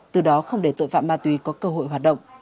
từ đó không để tội phạm ma túy có cơ hội hoạt động